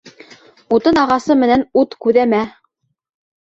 Утын ағасы менән ут күҙәмә.